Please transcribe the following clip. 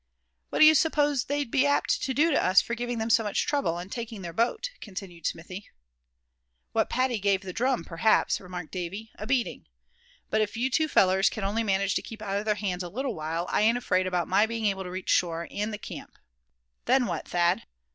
"What do you suppose they'd be apt to do to us for giving them so much trouble, and taking their boat?" continued Smithy. "What Paddy gave the drum, perhaps," remarked Davy; "a beating. But if you two fellers can only manage to keep out of their hands a little while, I ain't afraid about my being able to reach shore, and the camp. Then what, Thad?"